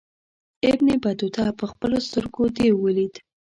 ابن بطوطه پخپلو سترګو دېو ولید.